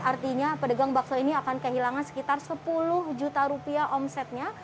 artinya pedagang bakso ini akan kehilangan sekitar sepuluh juta rupiah omsetnya